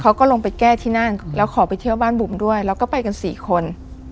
เขาก็ลงไปแก้ที่นั่นแล้วขอไปเที่ยวบ้านบุ๋มด้วยแล้วก็ไปกันสี่คน